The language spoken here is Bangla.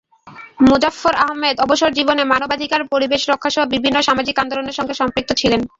মোজাফ্ফর আহমদ অবসরজীবনে মানবাধিকার, পরিবেশ রক্ষাসহ বিভিন্ন সামাজিক আন্দোলনের সঙ্গে সম্পৃক্ত ছিলেন।